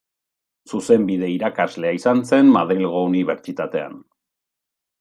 Zuzenbide irakaslea izan zen Madrilgo unibertsitatean.